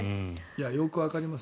よくわかります。